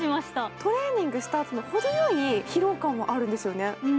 トレーニングしたあとのほどよい疲労感があるんですよね。